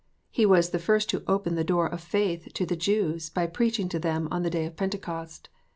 He was the first who opened the door of faith to the Jews, by preaching to them on the day of Pentecost.